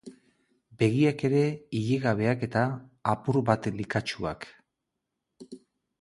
Begiak ere ilegabeak eta apur bat likatsuak.